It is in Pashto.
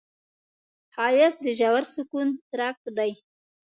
ښایست د ژور سکون څرک دی